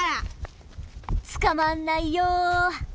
つかまんないよ。